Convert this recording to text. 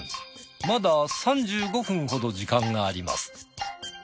まだ３５分ほど時間があります。